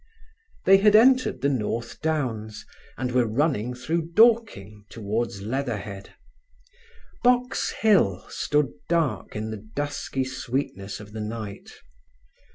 They had entered the north downs, and were running through Dorking towards Leatherhead. Box Hill stood dark in the dusky sweetness of the night.